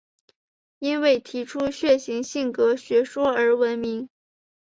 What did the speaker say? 因为提出血型性格学说而闻名。